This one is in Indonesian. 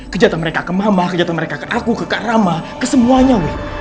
kejahatan mereka ke mama kejahatan mereka ke aku ke kak rama ke semuanya wih